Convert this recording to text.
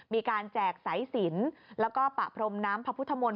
มีการแจกสายศิลป์แล้วก็ประพรมน้ำพระพุทธมนตร์